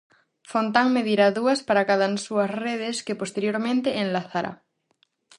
Fontán medirá dúas para cadansúas redes que posteriormente enlazará.